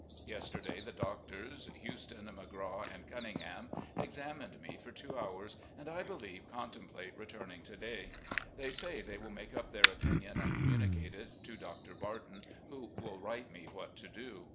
Yesterday the doctors, Huston, McCaw, and Cun ningham, examined me for two hours, and, I beKeve, contemplate returning to day. They say they will make up their opinion and communicate it to Doctor Barton, who will write me what to do.